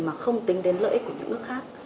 mà không tính đến lợi ích của những nước khác